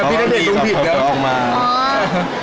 สนุกสนุกดีแล้วก็ร้านกด